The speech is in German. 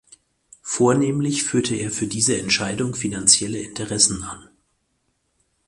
Vornehmlich führte er für diese Entscheidung finanzielle Interessen an.